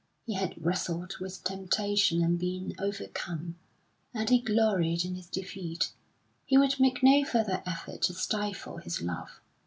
He had wrestled with temptation and been overcome, and he gloried in his defeat. He would make no further effort to stifle his love.